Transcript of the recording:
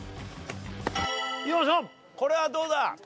これはどうだ？